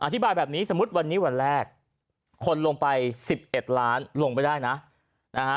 อธิบายแบบนี้สมมุติวันนี้วันแรกคนลงไป๑๑ล้านลงไปได้นะนะฮะ